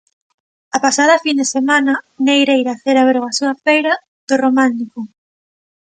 A pasada fin de semana, Negreira celebrou a súa Feira do Románico.